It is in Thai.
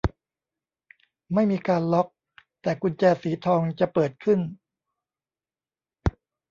ไม่มีการล็อค แต่กุญแจสีทองจะเปิดขึ้น